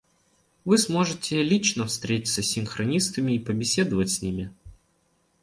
Вы сможете лично встретиться с синхронистами и побеседовать с ними.